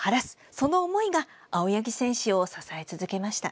その思いが青柳選手を支え続けました。